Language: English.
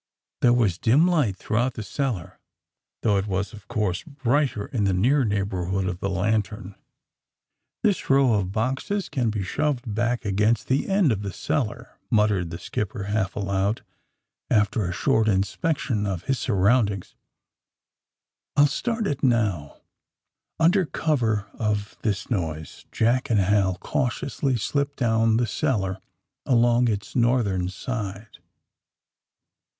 There was dim light throughout the cellar, though it was, of course, brighter in the near neighborhood of the lantern. *' This row of boxes can be shoved back against 86 THE SUBMAItlNE BOYS the end of the cellar," muttered the skipper, half aloud, after a short inspection of his sur roundings. *^I'll start it now." Under cover of this noise Jack and Hal cau tiously slipped down the cellar along its north ern side.